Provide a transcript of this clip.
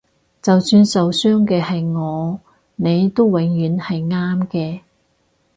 就算受傷嘅係我你都永遠係啱嘅